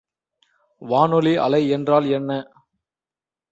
வானொலி அலை என்றால் என்ன?